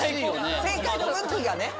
正解の向きがね。